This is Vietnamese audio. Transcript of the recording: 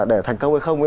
để thành công hay không